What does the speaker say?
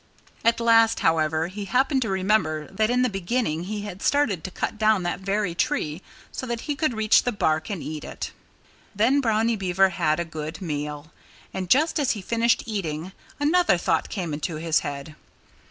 At last, however, he happened to remember that in the beginning he had started to cut down that very tree so he could reach the bark and eat it. Then Brownie Beaver had a good meal. And just as he finished eating, another thought came into his head.